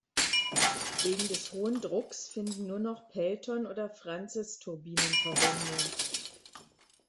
Wegen des hohen Drucks finden nur noch Pelton- und Francisturbinen Verwendung.